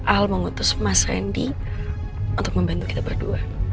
al mau ngutus mas rendy untuk membantu kita berdua